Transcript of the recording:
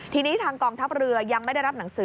ทีนี้ทางกองทัพเรือยังไม่ได้รับหนังสือ